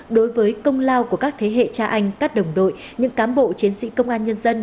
đối với công lao của các thế hệ cha anh các đồng đội những cán bộ chiến sĩ công an nhân dân